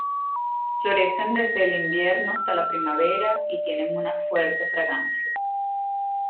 Florecen desde el invierno hasta la primavera y tienen una fuerte fragancia.